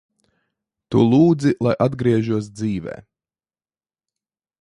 Tu lūdzi, lai atgriežos dzīvē.